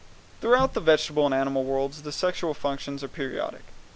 Throughout the vegetable and animal worlds the sexual functions are periodic.